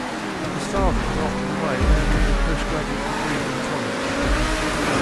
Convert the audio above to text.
His father was often away earning a postgraduate degree in college.